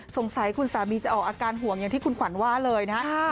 สงสัยคุณสามีจะออกอาการห่วงอย่างที่คุณขวัญว่าเลยนะครับ